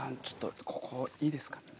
ちょっとここいいですか？